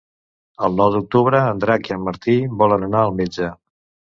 El nou d'octubre en Drac i en Martí volen anar al metge.